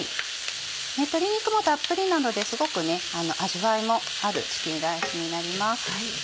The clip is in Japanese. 鶏肉もたっぷりなのですごく味わいもあるチキンライスになります。